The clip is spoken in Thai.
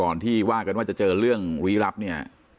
ที่ว่ากันว่าจะเจอเรื่องลี้ลับเนี่ย